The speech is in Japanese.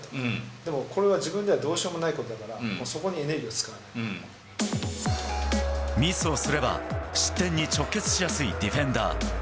でもこれは自分ではどうしようもないことだから、そこにエネルギミスをすれば、失点に直結しやすいディフェンダー。